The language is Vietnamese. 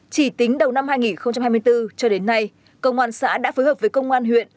chỉ tính đầu năm hai nghìn hai mươi bốn cho đến nay công an xã đã phối hợp với công an huyện